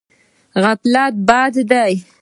غفلت بد دی.